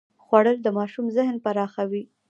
خوړل د ماشوم ذهن پراخوي